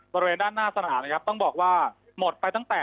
บริเวณด้านหน้าสนามนะครับต้องบอกว่าหมดไปตั้งแต่